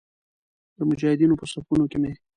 د مجاهدینو په صفونو کې مې.